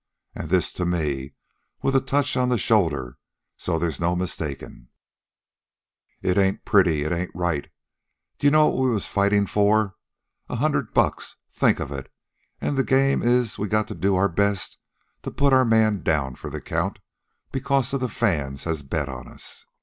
An' this to me, with a touch on the shoulder so they's no mistakin'. "It ain't pretty. It ain't right. D'ye know what we was fightin' for? A hundred bucks. Think of it! An' the game is we got to do our best to put our man down for the count because of the fans has bet on us.